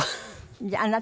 じゃああなた。